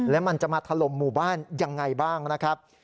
แล้วมันจะมาถล่มหมู่บ้านยังไงบ้างนะครับ